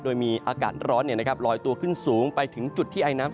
โดยมีอากาศร้อนลอยตัวขึ้นสูงไปถึงจุดที่ไอน้ำ